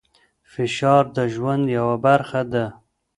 فشار د ژوند یوه برخه ده.